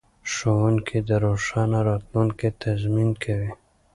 ښوونکي د روښانه راتلونکي تضمین کوي.